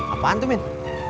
apaan tuh min